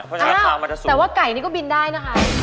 แต่ว่าไก่นี่ก็บินได้นะคะ